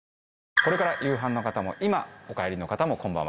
これから夕飯の方も今お帰りの方もこんばんは。